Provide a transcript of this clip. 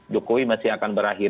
jokowi masih akan berakhir